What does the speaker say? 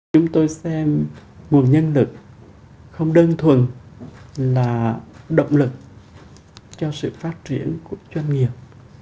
chúng tôi xem nguồn nhân lực không đơn thuần là động lực cho sự phát triển của doanh nghiệp